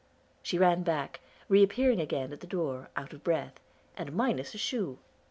She ran back, reappearing again at the door, out of breath, and minus a shoe.